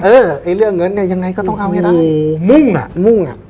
เออไอ้เรื่องเงินเนี่ยยังไงก็ต้องเอาให้ได้โอ้โหมุ่งอ่ะมุ่งอ่ะ